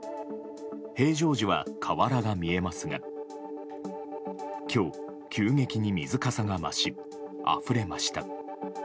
平常時は河原が見えますが今日、急激に水かさが増しあふれました。